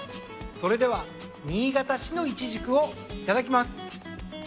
それでは新潟市のイチジクをいただきます。